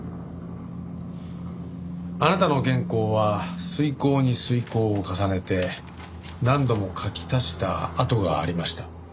あなたの原稿は推敲に推敲を重ねて何度も書き足した跡がありました。